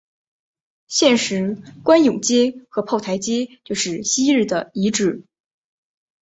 现时官涌街和炮台街就是昔日的遗址。